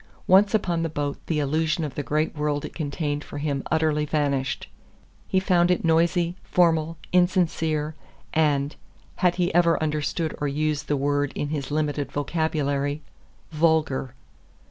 Once upon the boat the illusion of the great world it contained for him utterly vanished. He found it noisy, formal, insincere, and had he ever understood or used the word in his limited vocabulary VULGAR.